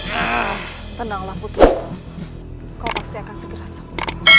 oh tenanglah putri kau pasti akan segera sholat